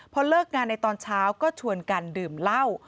พอเลิกงานในตอนเช้าก็ชวนกันดื่มเหล้า